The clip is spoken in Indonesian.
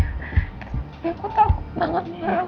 aku takut banget